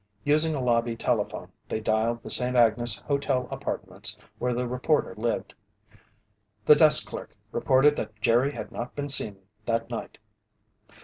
Using a lobby telephone, they dialed the St. Agnes Hotel Apartments where the reporter lived. The desk clerk reported that Jerry had not been seen that night.